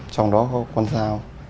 trong đó có con dao